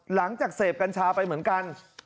หลังจากเสพกัญชาไปเหมือนกัน